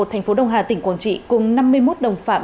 tp đồng hà tỉnh quảng trị cùng năm mươi một đồng phạm